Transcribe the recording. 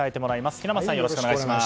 平松さんよろしくお願いします。